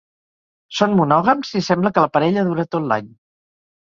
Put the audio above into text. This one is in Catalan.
Són monògams, i sembla que la parella dura tot l'any.